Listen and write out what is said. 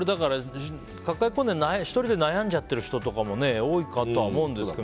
抱え込んで１人で悩んじゃっている人も多いかとは思うんですが。